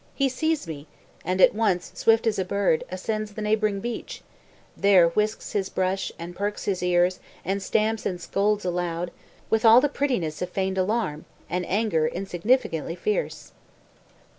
He sees me, and at once, swift as a bird, Ascends the neighbouring beech; there whisks his brush, And perks his ears, and stamps and scolds aloud, With all the prettiness of feign'd alarm, And anger insignificantly fierce.